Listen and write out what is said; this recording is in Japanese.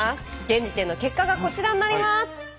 現時点の結果がこちらになります！